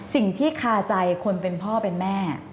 ซึ่งที่คาใจคนเป็นพ่อเป็นแม่